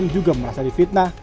juga merasa difitnah